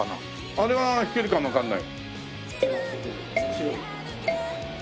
あれは弾けるかもわかんない。